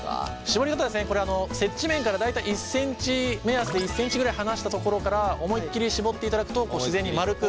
絞り方はこれ接地面から大体１ｃｍ目安で１ｃｍぐらい離したところから思いっきり絞っていただくと自然に丸く。